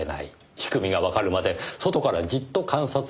仕組みがわかるまで外からじっと観察するのだと。